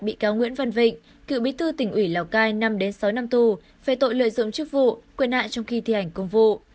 bị cáo nguyễn văn vịnh cựu bí thư tỉnh ủy lào cai năm đến sáu năm tù về tội lợi dụng chức vụ quyền hạn trong khi thi hành công vụ